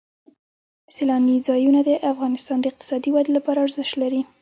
سیلانی ځایونه د افغانستان د اقتصادي ودې لپاره ارزښت لري.